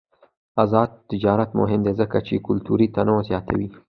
آزاد تجارت مهم دی ځکه چې کلتوري تنوع زیاتوي.